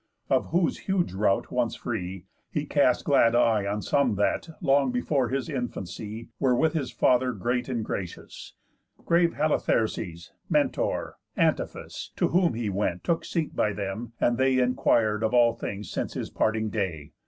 Of whose huge rout once free, he cast glad eye On some that, long before his infancy, Were with his father great and gracious, Grave Halitherses, Mentor, Antiphus: To whom he went, took seat by them, and they Inquir'd of all things since his parting day.